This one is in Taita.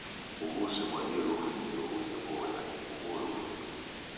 Uhu usew'adie lufu ndeuze nguw'o yake ughuo lufu.